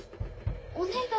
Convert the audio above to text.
お願い！